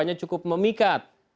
hanya cukup memikat